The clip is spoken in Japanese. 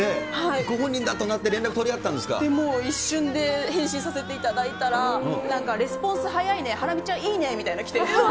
ご本人だとなって、もう一瞬で返信させていただいたら、なんかレスポンス早いね、ハラミちゃん、いいねみたいなのが来て。